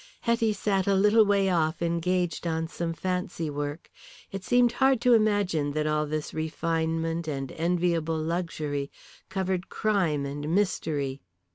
Hetty sat a little way off engaged on some fancywork. It seemed hard to imagine that all this refinement and enviable luxury covered crime and mystery.